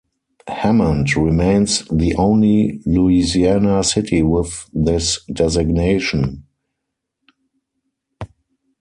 Hammond remains the only Louisiana city with this designation.